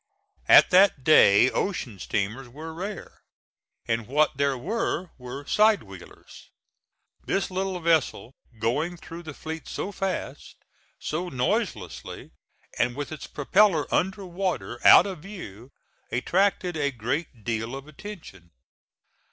At that day ocean steamers were rare, and what there were were sidewheelers. This little vessel, going through the fleet so fast, so noiselessly and with its propeller under water out of view, attracted a great deal of attention.